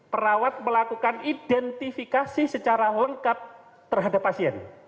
perawat melakukan identifikasi secara lengkap terhadap pasien